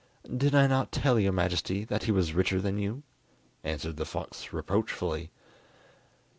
"Did I not tell your Majesty that he was richer than you?" answered the fox reproachfully.